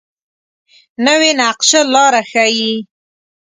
نوې نقشه لاره ښيي